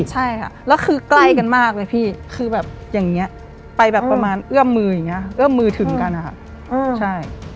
ใช่ค่ะแล้วคือใกล้กันมากเลยพี่คือแบบอย่างนี้ไปแบบประมาณเอื้อมมืออย่างนี้เอื้อมมือถึงกันนะคะใช่